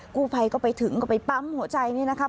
กู้ภัยก็ไปถึงก็ไปปั๊มหัวใจนี่นะครับ